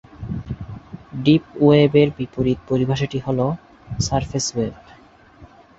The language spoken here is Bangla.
ডিপ ওয়েবের বিপরীত পরিভাষাটি হলঃ "সারফেস ওয়েব"।